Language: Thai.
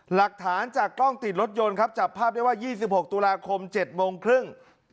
หลักฐานจากกล้องติดรถยนต์ครับจับภาพได้ว่า๒๖ตุลาคม๗โมงครึ่ง